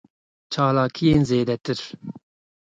Çalakiyên zêdetir.